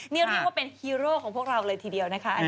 นี่เรียกว่าเป็นฮีโร่ของพวกเราเลยทีเดียวนะคะ